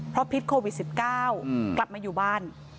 เพราะพิษโควิด๑๙กลับมาอยู่บ้าน